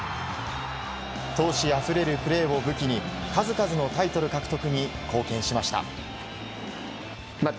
闘志あふれるプレーを武器に、数々のタイトル獲得に貢献しました。